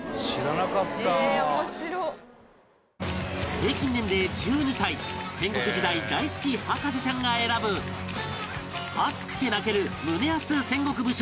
平均年齢１２歳戦国時代大好き博士ちゃんが選ぶ熱くて泣ける胸アツ戦国武将